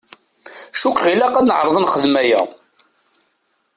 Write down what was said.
Cukkeɣ ilaq ad neɛṛeḍ ad nexdem aya.